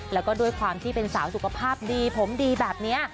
แล้วก็ด้วยความที่เป็นสาวสุขภาพดีผมดีแบบนี้